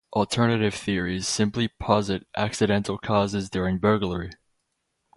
Alternative theories simply posit accidental causes during burglary.